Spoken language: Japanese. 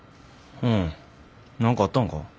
うん何かあったんか？